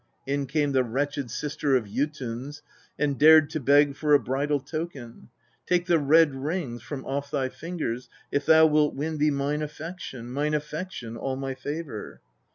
29. In came the wretched sister of Jotuns and dared to beg for a bridal token :' Take the red rings from off thy fingers if thou wilt win thee mine affection, mine affection, all my favour